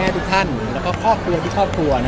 อะไรอยากจะฝากอะไรถึงพี่ทุกคนไหมคะ